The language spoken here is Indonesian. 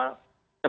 dan pak menteri